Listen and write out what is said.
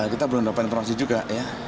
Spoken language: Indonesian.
kita belum dapat informasi juga ya